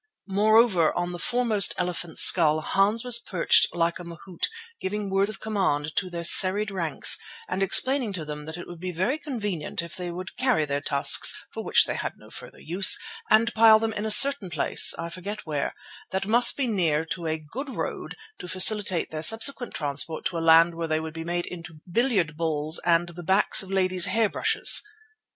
Moreover, on the foremost elephant's skull Hans was perched like a mahout, giving words of command to their serried ranks and explaining to them that it would be very convenient if they would carry their tusks, for which they had no further use, and pile them in a certain place—I forget where—that must be near a good road to facilitate their subsequent transport to a land where they would be made into billiard balls and the backs of ladies' hair brushes.